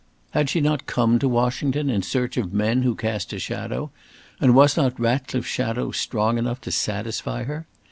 Had she not come to Washington in search of men who cast a shadow, and was not Ratcliffe's shadow strong enough to satisfy her?